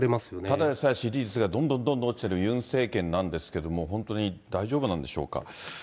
ただでさえ支持率がどんどんどんどん落ちてるユン政権なんですけど、本当に大丈夫なんでしょうか。